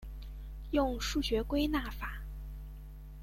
用数学归纳法。